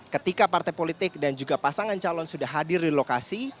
ketika partai politik dan juga pasangan calon sudah hadir di lokasi